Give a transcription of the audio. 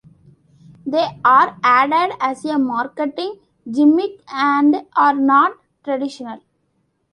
They are added as a marketing gimmick and are not traditional.